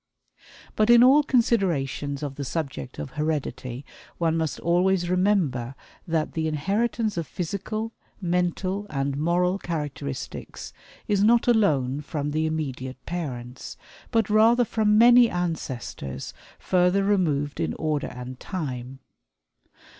But in all considerations of the subject of heredity, one must always remember that the inheritance of physical, mental, and moral characteristics is not alone from the immediate parents, but rather from many ancestors further removed in order and time.